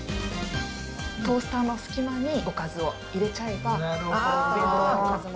トースターの隙間におかずを入れちゃえば。